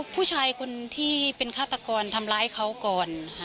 ผู้ชายคนที่เป็นฆาตกรทำร้ายเขาก่อนค่ะ